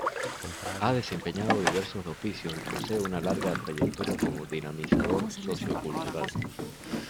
Ha desempeñado diversos oficios y posee una larga trayectoria como dinamizador sociocultural.